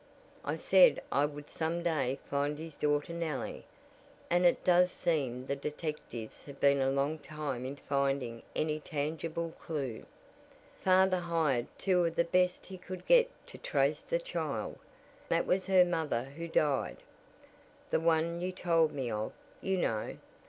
I said I would some day find his daughter Nellie, and it does seem the detectives have been a long time in finding any tangible clew. Father hired two of the best he could get to trace the child that was her mother who died, the one you told me of, you know.